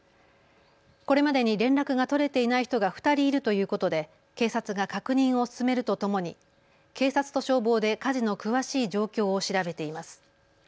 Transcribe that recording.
これまでに連絡が取れていない人が２人いるということで警察が確認を進めるとともに警察と消防で火事の詳しい状況を調べています。